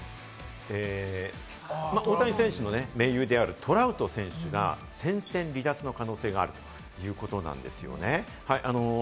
大谷選手のね、盟友であるトラウト選手が戦線離脱の可能性があるということなんですよね。